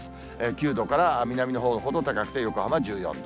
９度から南のほうほど高くて、横浜は１４度。